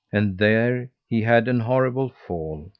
And there he had an horrible fall.